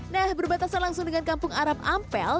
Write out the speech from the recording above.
nah berbatasan langsung dengan kampung arab ampel